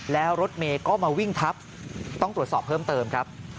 แล้วรถเมย์ก็มาวิ่งทับต้องตรวจสอบเพิ่มเติมครับ